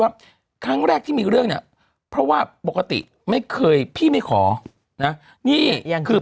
เป็นครั้งแรกที่มีเรื่องอ่ะเพราะว่าปกติอ่ะที่ไม่เคยเลย